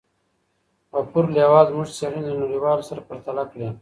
غفور لیوال زموږ څېړني له نړیوالو سره پرتله کړې.